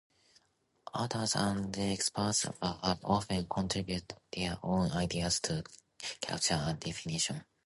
Authors and experts have often contributed their own ideas to capture a definition.